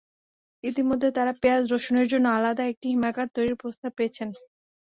ইতিমধ্যে তাঁরা পেঁয়াজ, রসুনের জন্য আলাদা একটি হিমাগার তৈরির প্রস্তাব পেয়েছেন।